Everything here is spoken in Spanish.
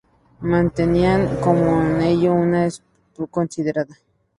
Mantenía con ellos una escrupulosa consideración.